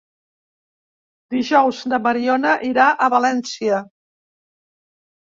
Dijous na Mariona irà a València.